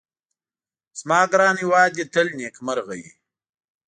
زما ګران هيواد دي تل نيکمرغه وي